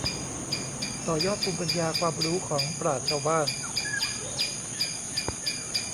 ต่อยอดภูมิปัญญาความรู้ของปราชญ์ชาวบ้าน